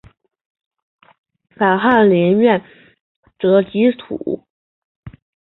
改翰林院庶吉士。